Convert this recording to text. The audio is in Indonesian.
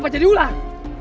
kenapa jadi ular